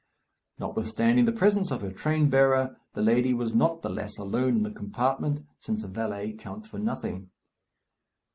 Notwithstanding the presence of her train bearer, the lady was not the less alone in the compartment, since a valet counts for nothing.